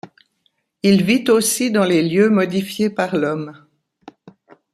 Il vit aussi dans les lieux modifiés par l'Homme.